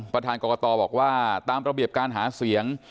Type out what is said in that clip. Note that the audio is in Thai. ประธานกรกตบอกว่าตามระเบียบการหาเสียง